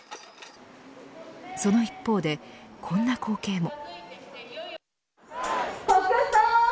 その一方でこんな光景も。